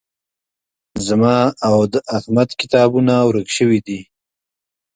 زما او د احمد کتابونه ورک شوي دي